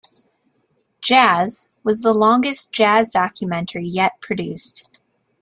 "Jazz" was the longest jazz documentary yet produced.